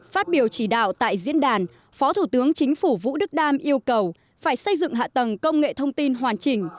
phát biểu chỉ đạo tại diễn đàn phó thủ tướng chính phủ vũ đức đam yêu cầu phải xây dựng hạ tầng công nghệ thông tin hoàn chỉnh